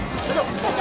社長！